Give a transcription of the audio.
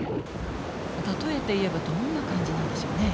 例えて言えばどんな感じなんでしょうね？